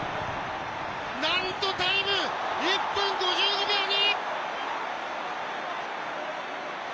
なんとタイム１分５５秒２。